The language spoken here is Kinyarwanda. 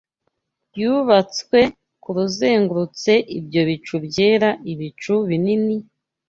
Yubatswe kuzengurutse ibyo bicu byera, ibicu binini,